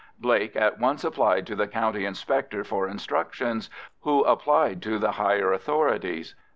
Blake at once applied to the County Inspector for instructions, who applied to the higher authorities.